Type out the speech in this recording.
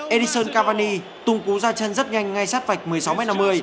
edison cavani tung cú ra chân rất nhanh ngay sát vạch một mươi sáu m năm mươi